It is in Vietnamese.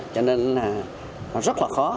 cho nên là nó rất là khó